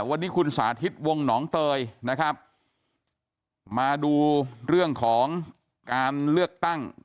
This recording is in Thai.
วันนี้คุณสาธิตวงหนองเตยนะครับมาดูเรื่องของการเลือกตั้ง